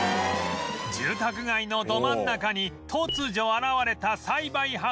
住宅街のど真ん中に突如現れた栽培ハウス